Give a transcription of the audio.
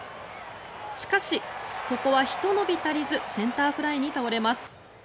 しかし、ここはひと伸び足りずセンターフライに倒れます。